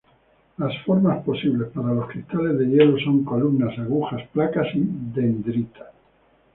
Las formas posibles para los cristales de hielo son columnas, agujas, placas y dendritas.